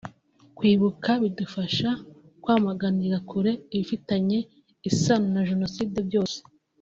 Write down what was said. Kwibuka bidufasha kwamaganira kure ibifitanye isano na Jenoside byose